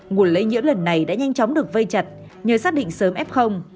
nguồn lây nhiễm lần này đã nhanh chóng được vây chặt nhờ xác định sớm f